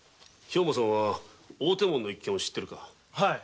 兵馬さんは大手門の一件を知ってるかい？